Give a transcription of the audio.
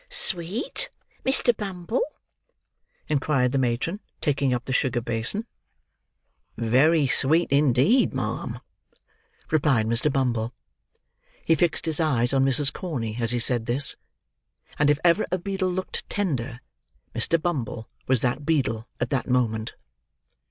"Sweet? Mr. Bumble?" inquired the matron, taking up the sugar basin. "Very sweet, indeed, ma'am," replied Mr. Bumble. He fixed his eyes on Mrs. Corney as he said this; and if ever a beadle looked tender, Mr. Bumble was that beadle at that moment.